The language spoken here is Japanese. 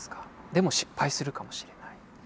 でも失敗するかもしれない。